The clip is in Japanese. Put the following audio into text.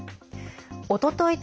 おととい